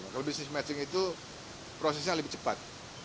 kalau bisnis matching itu prosesnya lebih cepat